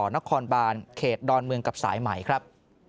นครบานเขตดอนเมืองกับสายใหม่ครับ